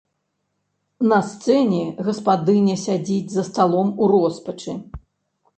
На сцэне гаспадыня сядзіць за сталом у роспачы.